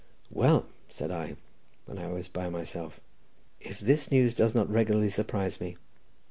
"Well," said I, when I was by myself, "if this news does not regularly surprise me!